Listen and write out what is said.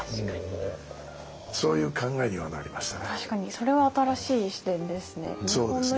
それは新しい視点ですね。